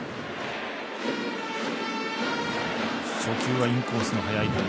初球はインコースの速いボール。